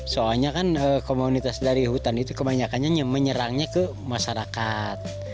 soalnya komunitas dari hutan itu kebanyakan menyerangnya ke masyarakat